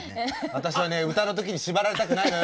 私はね歌の時に縛られたくないのよ。